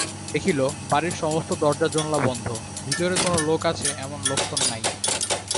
দেখিল, বাড়ির সমস্ত দরজাজোনলা বন্ধ, ভিতরে কোনো লোক আছে এমন লক্ষণ নাই।